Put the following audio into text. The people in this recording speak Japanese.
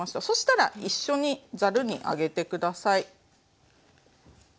そしたら一緒にざるに上げて下さい。